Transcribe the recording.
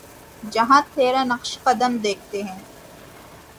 جہاں تیرا نقشِ قدم دیکھتے ہیں